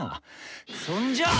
そんじゃ！